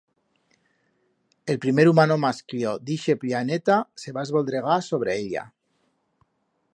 El primer humano mascllo d'ixe pllaneta se va esvoldregar sobre ella.